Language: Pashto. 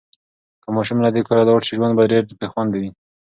که ماشوم له دې کوره لاړ شي، ژوند به ډېر بې خونده وي.